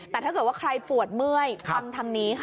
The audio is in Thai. แต่ถ้าเกิดว่าใครปวดเมื่อยฟังทางนี้ค่ะ